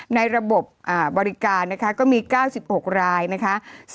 ระบบบริการนะคะก็มี๙๖รายนะคะ